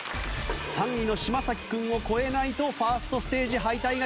３位の嶋君を超えないとファーストステージ敗退が決まります。